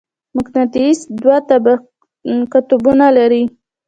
مقناطیس دوه قطبونه لري.